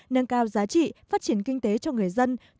nâng cao giá trị phát triển kinh tế cho người dân